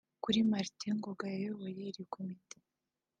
Kuri Martin Ngoga wayoboye iri komite